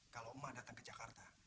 kalau emak datang ke jakarta